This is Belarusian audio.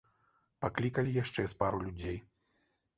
Паклікалі яшчэ з пару людзей.